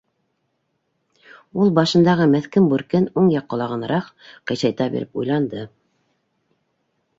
— Ул башындағы меҫкен бүркен уң яҡ ҡолағынараҡ ҡыйшайта биреп уйланды.